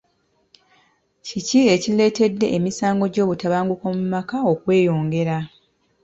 Kiki ekireetedde emisango gy'obutabanguko mu maka okweyongera?